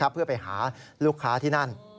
เพื่อไปหาลูกค้าที่นั่น